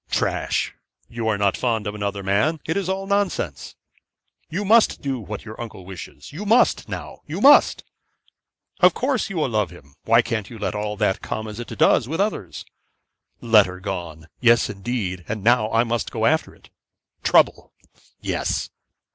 'Trash you are not fond of another man. It is all nonsense.' 'You must do what your uncle wishes. You must, now! you must! Of course, you will love him. Why can't you let all that come as it does with others?' 'Letter gone; yes indeed, and now I must go after it.' 'Trouble! yes!